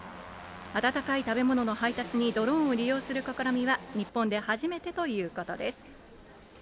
温かい食べ物の配達にドローンを利用する試みは、日本で初めてということです。